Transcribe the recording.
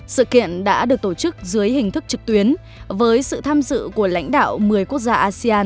sự kiện đã được tổ chức dưới hình thức trực tuyến với sự tham dự của lãnh đạo một mươi quốc gia asean